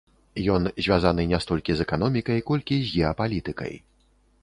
Ён звязаны не столькі з эканомікай, колькі з геапалітыкай.